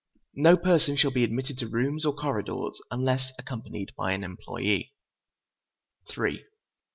No person shall be admitted to rooms or corridors unless accompanied by an employee.